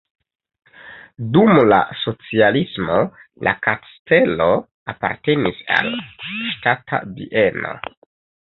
Dum la socialismo la kastelo apartenis al ŝtata bieno.